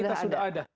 itu sudah ada